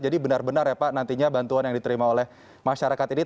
jadi benar benar ya pak nantinya bantuan yang diterima oleh masyarakat ini